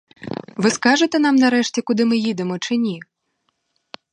Ви скажете нам, нарешті, куди ми їдемо, чи ні?